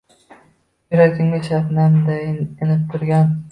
Yuragimga shabnamdayin inib turgan